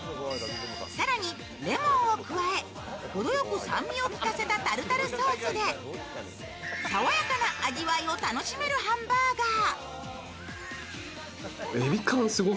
更にレモンを加え、程良く酸味を効かせたタルタルソースで爽やかな味わいを楽しめるハンバーガー。